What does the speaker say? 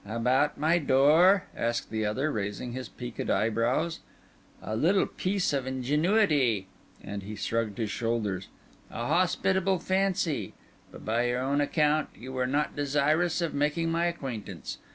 "About my door?" asked the other, raising his peaked eyebrows. "A little piece of ingenuity." And he shrugged his shoulders. "A hospitable fancy! By your own account, you were not desirous of making my acquaintance.